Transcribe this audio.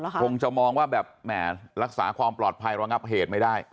คงจะมองว่าแบบแหมรักษาความปลอดภัยระงับเหตุไม่ได้